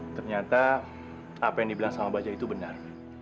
ternyata apa yang dibilang sama bajaj itu benar